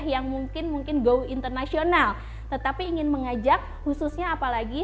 yang mungkin mungkin go internasional tetapi ingin mengajak khususnya apalagi